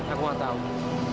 aku gak tau